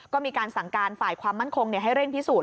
ก็มีการสั่งการฝ่ายความมั่นคงให้เร่งพิสูจน